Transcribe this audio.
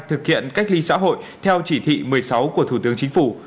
thực hiện cách ly xã hội theo chỉ thị một mươi sáu của thủ tướng chính phủ